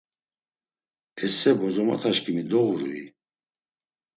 “Esse bozomotaşǩimi doğurui?”